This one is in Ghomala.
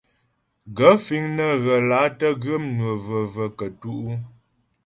Gaə̂ fíŋ nə́ ghə́ lǎ tə́ ghə́ mnwə və̀və̀ kətú' ?